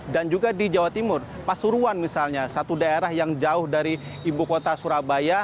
dan juga di jawa timur pasuruan misalnya satu daerah yang jauh dari ibu kota surabaya